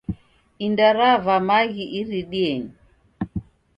Inda rava maghi iridienyi.